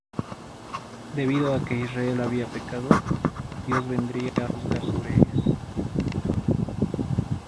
Debido a que Israel había pecado, Dios vendría para juzgar sobre ellos.